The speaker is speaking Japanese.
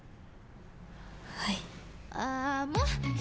はい。